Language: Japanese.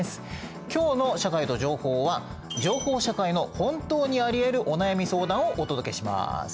今日の「社会と情報」は「情報社会の本当にありえるお悩み相談」をお届けします。